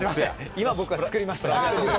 今、僕が作りました。